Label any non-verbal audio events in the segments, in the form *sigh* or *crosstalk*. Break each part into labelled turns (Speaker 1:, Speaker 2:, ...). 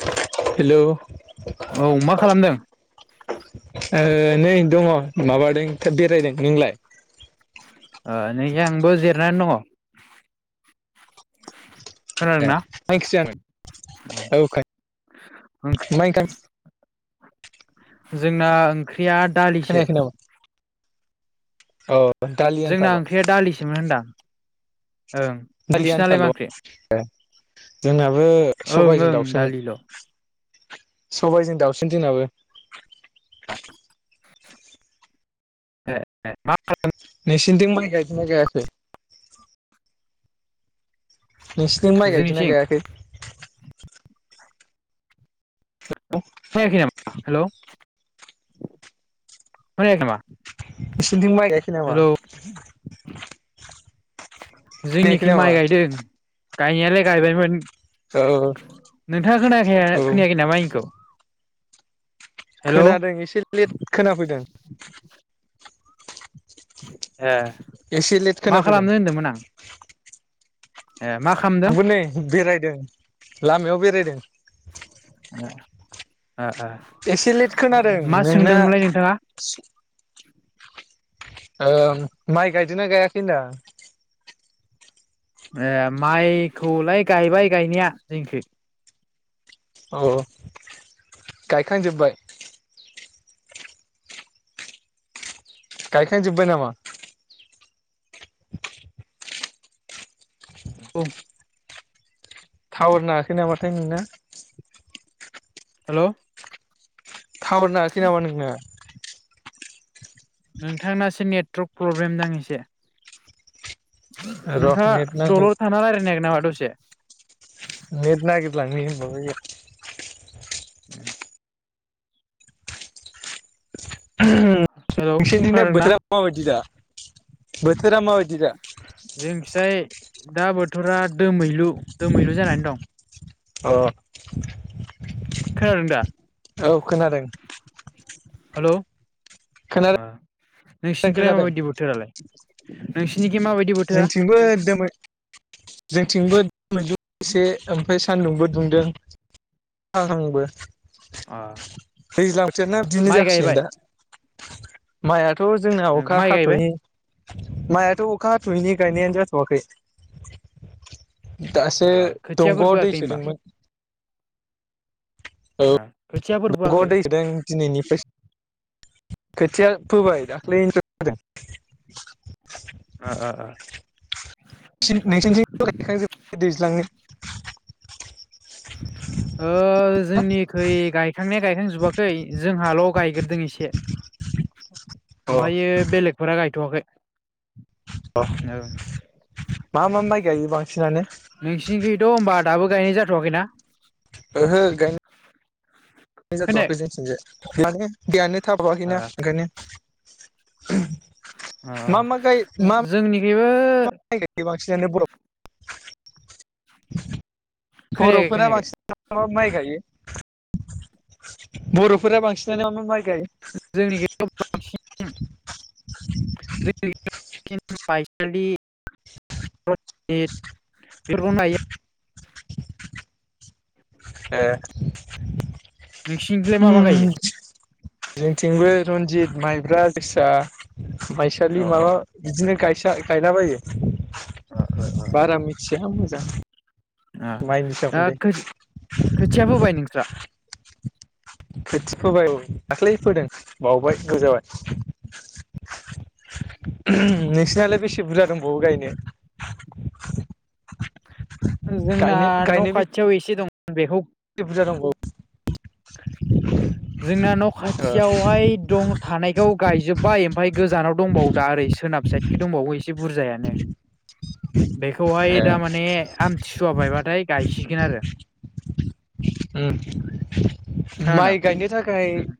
Speaker 1: *inaudible* Hello
Speaker 2: औ मा खालामदों?
Speaker 1: ओ नै दङ माबादों थ बेरायदों नोंलाय?
Speaker 2: ओ नैय आंबो जिरनानै दङ। खोनादों
Speaker 1: मा
Speaker 2: ना?
Speaker 1: ओंख्रि जानाय औ मा ओंखाम *inaudible*
Speaker 2: जोंना उम ओख्रिया दालिसो
Speaker 1: औ
Speaker 2: जोंना ओंख्रिया दालिसोमोन होनदां ओं नोंसिनालाय मा ओंख्रि?
Speaker 1: जोंना आबो
Speaker 2: ओं
Speaker 1: सबायजों
Speaker 2: ओं
Speaker 1: दाउसोमोन
Speaker 2: दालिल'
Speaker 1: सबायजों दाउसिन जोंनाबो
Speaker 2: ए ए मा खालाम *unintelligible*
Speaker 1: नोंसोरनिथिं माइ गायफानाय गायाखै? नोंसिनि माइ गायदिना
Speaker 2: जोंनिथिं
Speaker 1: गायाखै?
Speaker 2: खोनायाखै आं हेलौ
Speaker 1: बेसेदिं माइ गायखि नामा?
Speaker 2: हेलौ
Speaker 1: खोनायाखै
Speaker 2: जोंनिखि
Speaker 1: नामा
Speaker 2: माइ गायदों। गायनायालाय गायबायमोन।
Speaker 1: औ
Speaker 2: नोंथाङा खोनायाखे
Speaker 1: औ
Speaker 2: खोनायाखै नामा आंनिखौ? हेलौ
Speaker 1: खोनादों एसे लेट खोनाफैदों।
Speaker 2: *unintelligible* ए
Speaker 1: एसे लेट
Speaker 2: मा
Speaker 1: खोनाफैदों
Speaker 2: खालामनो होनदोंमोन आं। ए मा खालामदों
Speaker 1: आंबो नै बेेराइ दों लामायाव बेरायदों।
Speaker 2: दा आ आ
Speaker 1: एसे लेट खोनादों
Speaker 2: मा
Speaker 1: नोंना
Speaker 2: सोंदोंमोनलाय नोंथाङा? *unintelligible*
Speaker 1: ओ माइ गायदोंना गायाखै होन्दां?
Speaker 2: ए माइखौलाय गायबाय गायनाया जोंखै
Speaker 1: औ औ गायखांजोबबाय गायखां जोबबाय नामा?
Speaker 2: औ
Speaker 1: थावर नाङाखै नामा नों ना
Speaker 2: हेलौ
Speaker 1: थावार नाङाखै नामा नोंना
Speaker 2: नोंथांनासो नेटवर्क प्रब्लेम दां एसे
Speaker 1: र'
Speaker 2: नोंथाङा
Speaker 1: नेट नाङै
Speaker 2: दलर थाना रायलाय नायगोन नामा दसे *unintelligible*
Speaker 1: नेट नागिरलांनि *unintelligible*
Speaker 2: *unintelligible* हेलौ
Speaker 1: नोंसोरथिना
Speaker 2: खोनादोंना
Speaker 1: बोथोरा माबायदि दा बो
Speaker 2: जोंखिजाय दा बोथोरा दोमैलु दोमैलु जानानै दं खोनादों दा
Speaker 1: अ औ खोनादों
Speaker 2: हेलौ ओ
Speaker 1: खोनादों
Speaker 2: नोंसिनिथिलाय
Speaker 1: खोनादों
Speaker 2: माबायदि बोथोरालाय नोंसिनिखि माबायदि बोथोरा
Speaker 1: जोंथिंबो एदमै जोंथिंबो दोमैलु एसे ओमफ्राय सान्दुंबो दुंदों अखा हाहांबो।
Speaker 2: अ अ
Speaker 1: दैज्लांसेनो बिदिनो
Speaker 2: माइ
Speaker 1: जाासिगोन
Speaker 2: गायबाय
Speaker 1: दा माइआ थ' जोंना अखा
Speaker 2: माइ गायबाय
Speaker 1: हाथ'यि माइआथ' अखा हाथ'यैनि गायनायानो जाथ'वाखै दासो
Speaker 2: अ खोथियाफोर
Speaker 1: दंग'आव दै
Speaker 2: फोआखै होनबा
Speaker 1: सोदोंमोन। औ
Speaker 2: खोथियाफोर
Speaker 1: नोंगौ
Speaker 2: फोआखै
Speaker 1: दैदों दिनैनिफ्राय खोथिया फोबाय दाख्लैनो फोदों
Speaker 2: आ आ आ
Speaker 1: नोंसि नोंसिनिथिं *inaudible* दैज्लां
Speaker 2: ओ जोंनि खै गायखांनाया गायखां जोबाखै जोंहाल' अ गायगोरदों एसे
Speaker 1: अ
Speaker 2: ओमफायो बेलेगफोरा गाय थ'आखै
Speaker 1: अ
Speaker 2: ओं
Speaker 1: मा मा माइ गायो बांसिनानो
Speaker 2: नोंसिनि थ' होनबा दाबो गायनाय जा *unintelligible*
Speaker 1: ओहो गाय नो
Speaker 2: खोनायाखै?
Speaker 1: जाथ'आखै जोंथिंजाय *unintelligible*
Speaker 2: अ
Speaker 1: ओंखायनो *unintelligible*
Speaker 2: आ
Speaker 1: मा मा गाय मा मा
Speaker 2: जोंनिखियै
Speaker 1: *inaudible*
Speaker 2: *unintelligible*
Speaker 1: *inaudible*
Speaker 2: खोनायाखै
Speaker 1: बर'फोरा
Speaker 2: खोनायाखै
Speaker 1: बांसिन *inaudible* माइ गायो बर'फोरा बांसिनानो मा मा माइ गायो
Speaker 2: *inaudible* *unintelligible*
Speaker 1: *inaudible*
Speaker 2: *unintelligible* *inaudible*
Speaker 1: *unintelligible*
Speaker 2: नोंसिनिखैलाय मा मा
Speaker 1: उम
Speaker 2: गायो?
Speaker 1: जोंथिंबो रनजित माइ *inaudible* जोसा मायसालि
Speaker 2: अ
Speaker 1: माबा बिदिनो गाय *inaudible* गायला बायो बारा मिथिया *inaudible* *unintelligible* माइनि
Speaker 2: *inaudible* दा
Speaker 1: सोमोन्दै
Speaker 2: खो खोथिया फोबाय नोंस्रा
Speaker 1: खोथि फोबाय औ दाख्लै फोदों बावबाय गोबाव जाबाय नोंसिनालाय बेसे बुरजा दंबावो गायनो
Speaker 2: जोंना
Speaker 1: गायनो
Speaker 2: न'
Speaker 1: गायनो
Speaker 2: खाथियाव एसे दं बेखौ
Speaker 1: बेसे बुरजा दंबावो *inaudible*
Speaker 2: जोंना न'
Speaker 1: ओ
Speaker 2: खाथियावहाय दं थानायखौ गायजोब्बाय ओमफ्राय गोजानाव दंबाव दा ओर सोनाब साइडखै दंबावो एसे बुरजायानो बेखौहाय
Speaker 1: ए
Speaker 2: थारमाने आमथिसुवा बायबा थाय गायसिगोन आरो
Speaker 1: ओ
Speaker 2: खोनादों
Speaker 1: माइ गायनो थाखाय
Speaker 2: उम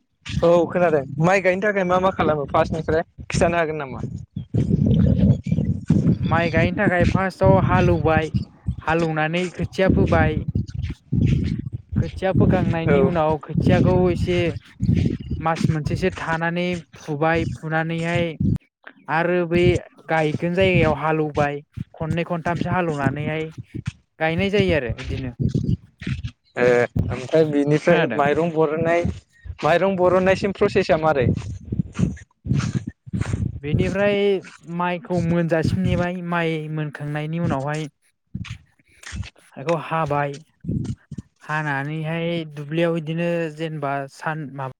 Speaker 1: औ खोनादों माइ गायनो थाखाय मा मा खालामो फार्स्टनिफ्राय खिन्थानो हागोन नामा
Speaker 2: फार्टआव हालौवबाय हालौनानै खोथिया फोबाय खोथिया
Speaker 1: औ
Speaker 2: फोखांनायनि उनाव खोथिया खोथियाखौ एसे मास मोनसेसो थानानै फुबाय फुनानैहाय आरो बै गायगोन जायगायाव हालेवबाय खननै खनथामसो हालेवनानैहाय गायनाय जायो आरो बिदिनो
Speaker 1: ए ओमफ्राय बिनिफ्राय
Speaker 2: खोनादों
Speaker 1: माइरं बरननाय माइरं बरननायसिम प्रसेसा मारै
Speaker 2: बेनिफ्राय माइखौ मोनजासिम नेबाय माइ मोनखांनायनि उनावहाय बेखौ हाबाय हानानैहाय दुब्लियाव इदिनो जेनेबा सान माबा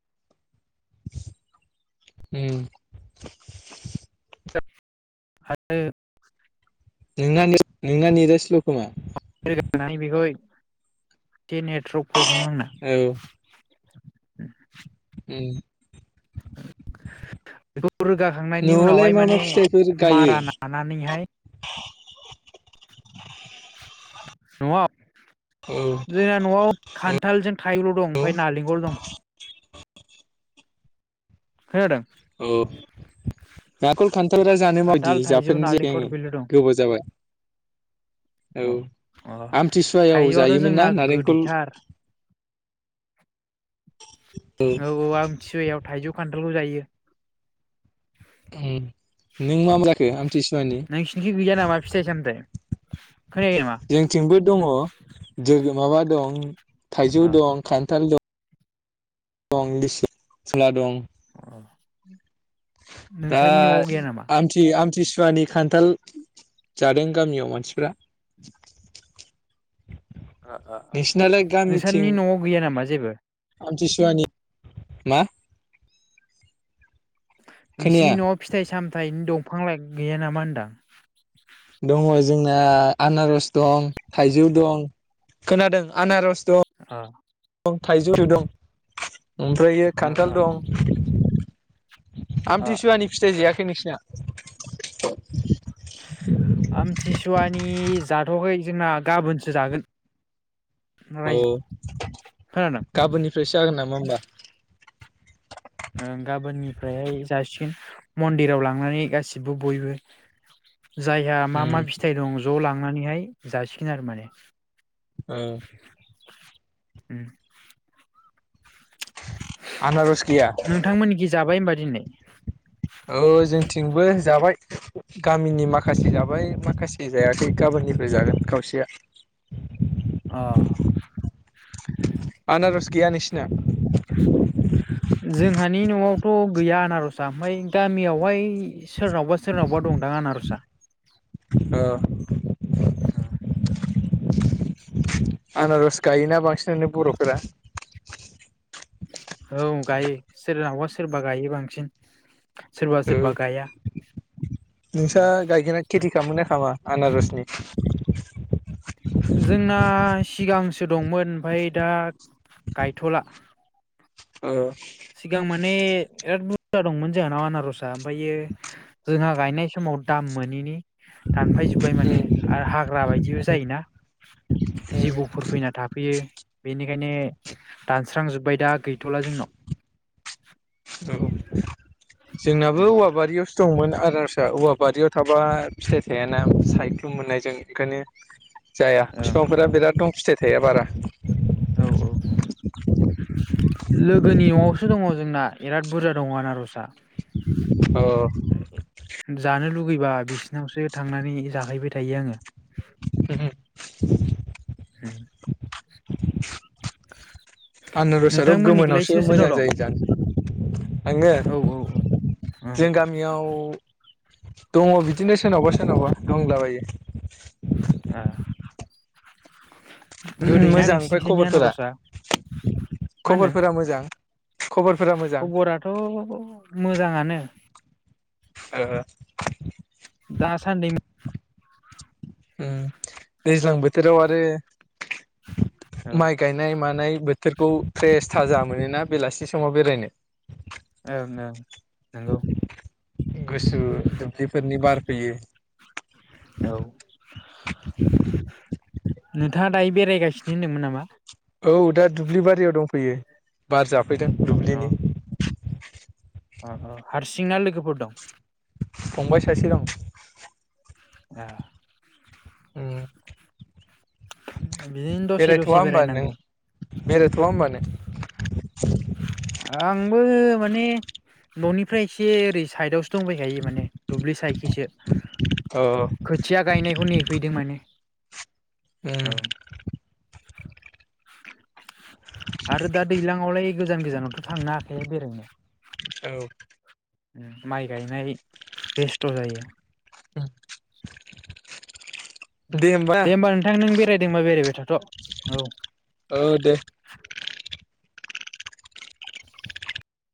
Speaker 1: उम
Speaker 2: आरो
Speaker 1: नोंना *unintelligible* नोंना नेटआ स्ल' खोमा
Speaker 2: *unintelligible* बिखौ एसे नेटवर्क प्रब्लेम आंना
Speaker 1: औ ओम
Speaker 2: बेखौ रोगाखांनायनि उनावहाय
Speaker 1: मा मा
Speaker 2: माने
Speaker 1: फिथाइफोर गायो
Speaker 2: मारा नानानैहाय
Speaker 1: *inaudible*
Speaker 2: न'आव
Speaker 1: औ
Speaker 2: जोंहा न'आव खान्थालजों थाइल' दं
Speaker 1: औ
Speaker 2: ओमफ्राय नालेंखल दं। खोनादों?
Speaker 1: औ *unintelligible* खान्थालफ्रा जानो बायदि
Speaker 2: खान्थाल थाइजौ
Speaker 1: जाफेरनो
Speaker 2: नालेंखर
Speaker 1: *unintelligible*
Speaker 2: बेल' दं
Speaker 1: गोबाव जाबाय औ
Speaker 2: अ अ
Speaker 1: आमथिसुवायाव
Speaker 2: थाइजौआथ'
Speaker 1: जायोमोन ना
Speaker 2: जोंना
Speaker 1: नारेंखल
Speaker 2: गोदैथार। औ औ आमथिसुवायाव थाइजौ खान थालबो जायो।
Speaker 1: *inaudible* नों मामा जाखो आमथिसुवानि?
Speaker 2: नोंसिनिखि गैया नामा फिथाइ *unintelligible*
Speaker 1: जोंथिंबो दङ जोगो माबा दं। थाइजौ
Speaker 2: अ
Speaker 1: दं खान्थाल दं । दं लिसु *unintelligible* दं।
Speaker 2: *inaudible*
Speaker 1: दा
Speaker 2: नोंसानि न'आव गैया नामा
Speaker 1: आमथि आम थिसुवानि खान्थाल जादों गामियाव मानसिफ्रा।
Speaker 2: ओ ओ ओ
Speaker 1: नोंसिनालाय गामिथिं
Speaker 2: नोंसोरनि न'आव गैया नामा जेबो?
Speaker 1: सुवानि मा?
Speaker 2: नोंसिनि
Speaker 1: खोनाया
Speaker 2: न'आव फिथाइ साम थाइनि दंफां लाइ गैया नामा होनदां?
Speaker 1: दङ जोंना आनारस दं थाइजौ दं खोनादों आनारस दं
Speaker 2: औ।
Speaker 1: दं थाइजौ *unintelligible* ओमफ्रायो
Speaker 2: अ अ
Speaker 1: खान्थाल दं।
Speaker 2: अ अ
Speaker 1: आमथिसुवानि फिथाइ जायाखै नोंसिना? *unintelligible*
Speaker 2: आमथिसुवानि जाथ'याखै जोंना गाबोनसो जागोन।
Speaker 1: औ
Speaker 2: रायजो खोनादों
Speaker 1: गाबोननिफ्रायसो जागोन नामा होमबा?
Speaker 2: ओं गाबोननिफ्रायहाय जासिगोन मन्दिराव लांनानै गासिबो बयबो। जायहा मा मा
Speaker 1: उम
Speaker 2: फिथाइ दं ज' लांनानैहाय जासिगोन आरो माने।
Speaker 1: ओ।
Speaker 2: ओम।
Speaker 1: आनारस गैया
Speaker 2: नोंथांमोनखि जाबाय होनबा दिनै
Speaker 1: जोंबो जाबाय गामिनि माखासे जाबाय माखासे जायाखै गाबोननिफाय जागोन खावसेया।
Speaker 2: अ
Speaker 1: आनारस गैया नोंसिना?
Speaker 2: जोंहानि न'आवथ' गैया आनारसआ ओमफाय गामियावहाय। सोरनावबा सोरनावबा दंदां आनारसा
Speaker 1: औ *unintelligible*
Speaker 2: औ *unintelligible*
Speaker 1: आनारस गायोना बांसिनो बर'फोरा
Speaker 2: औ गायो सोरनावा सोरबा गायो बांसिन सोरबा
Speaker 1: औ
Speaker 2: सोरबा गाया
Speaker 1: नोंस्रा
Speaker 2: उम
Speaker 1: गायगोना खेथि खालामोन *unintelligible* खामा आनारसनि *unintelligible*
Speaker 2: जोंना सिगांसो गोसो दंमोन ओमफ्राय दा *unintelligible* गायथला
Speaker 1: औ *unintelligible*
Speaker 2: सिगां माने बिराद बुरजा दंमोन जोंहानाव आनारसआ ओमफ्रायो जोंहा गायनाय समाव दाम मोनैनि दानफायजोब्बाय माने
Speaker 1: उम
Speaker 2: आरो हाग्रा बायदिबो जायोना
Speaker 1: उम
Speaker 2: जिबौफोर फैना थाफैयो बेनो बेंखायनो दानस्रांजोब्बाय दा गैथ'ला जोंनाव *inaudible*
Speaker 1: *inaudible* जोंनाबो औवाबारियावसो दंमोन आरो *inaudible* सोरिसा औवा बारियाव थाबा फिथाइ थायाना सायख्लुम मोननायजों ओंखायनो *inaudible* जाया
Speaker 2: ओं
Speaker 1: बिफांफोरा बिराद दं फिथाइ थाइया बारा
Speaker 2: औ औ औ लोगोनि न'आवसो दङ जोंना बिराद बुरजा दङ आनारसाआ
Speaker 1: *inaudible* औ *unintelligible*
Speaker 2: गैबा बिसिनावसो थांनानै जाहैबाय थायो आङो
Speaker 1: हम
Speaker 2: हे *unintelligible*
Speaker 1: आनारसथ' गोमोनावसो मोजां
Speaker 2: दं
Speaker 1: जायो जानो आंङो
Speaker 2: औ औ ओं
Speaker 1: जों गामियाव दङ' बिदिनो सोरनावबा सोरनावबा दंलाबायो।
Speaker 2: ए गोदैना
Speaker 1: मोजां ओमफ्राय
Speaker 2: नोंसिनिथिनि
Speaker 1: खबरफोरा
Speaker 2: आनारसआ मा होनदों
Speaker 1: खबरफोरा मोजां खबरफोरा मोजां
Speaker 2: खबराथ' मोजाङानो
Speaker 1: ओ
Speaker 2: दासानदै
Speaker 1: उम दैज्लां बोथोराव आरो
Speaker 2: औ ओं
Speaker 1: माइ गायनाय मानाय बो फेरखौ फ्रेस थाजा मोनोना बेलासि समाव बेरायनो
Speaker 2: ओं ओं नगौ
Speaker 1: गुसु दु ब्लिफोरनि बार फैयो।
Speaker 2: *inaudible* नोंथा *unintelligible* दायो बेरायगासिनो होनदोंमोन नामा?
Speaker 1: औ दा दुब्लि बारियाव दंफैयो बार जा फैदों
Speaker 2: अ
Speaker 1: दुब्लिनि।
Speaker 2: अ अ हारसिं ना लोगोफोर दं?
Speaker 1: फंबाय सासे दं।
Speaker 2: एह
Speaker 1: उम।
Speaker 2: बिदिनो दसे दसे बेरायनांगौ।
Speaker 1: बेरायथ'आ होनबा नों?
Speaker 2: आंबो माने न'निफ्राय एसे ओरै साइदावसो दंबायखायो माने दुब्लि साइडखिसो
Speaker 1: औ
Speaker 2: खोथिया गायनायखौ नेफैदों माने।
Speaker 1: उम
Speaker 2: औ। आरो दा दैलांयावलाय गोजान गोजानावथ' थांनो हाखाया बेरायनो।
Speaker 1: औ।
Speaker 2: उम माइ गायनाय बेस्थ' जायो।
Speaker 1: उम *inaudible*
Speaker 2: दे होमबा नोंथां नों बे रायदोंबा बेरायबाय थाथ' औ
Speaker 1: ओ दे।